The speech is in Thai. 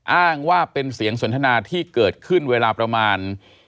อ้างว่าเป็นเสียงสนทนาที่เกิดขึ้นเวลาประมาณ